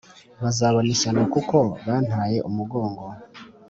Bazabona ishyano kuko bantaye umugongo